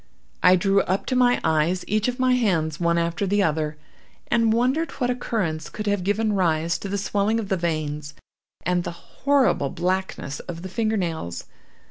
I drew up to my eyes each of my hands, one after the other, and wondered what occurrence could have given rise to the swelling of the veins, and the horrible blackness of the fingernails.